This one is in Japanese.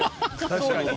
確かに。